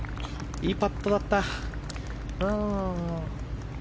いいパットだった。